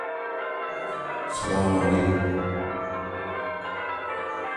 او آنچنان نسبت به یتیمانمادری کرد که گویی فرزندان خودش بودند.